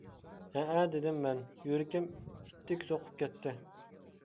-ھەئە-دېدىم مەن، يۈرىكىم ئىتتىك سوقۇپ كەتتى.